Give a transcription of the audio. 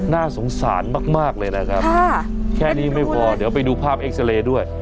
น่าสงสารมากเลยนะครับแค่นี้ไม่พอเดี๋ยวไปดูภาพเอ็กซาเรย์ด้วย